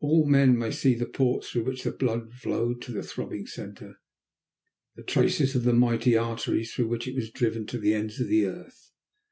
All men may see the ports through which the blood flowed to the throbbing centre, the traces of the mighty arteries through which it was driven to the ends of the earth.